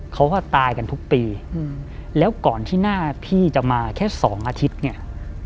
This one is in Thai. เขาก็ตายกันทุกปีอืมแล้วก่อนที่หน้าพี่จะมาแค่สองอาทิตย์เนี่ย